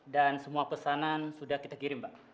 dan semua pesanan sudah kita kirim pa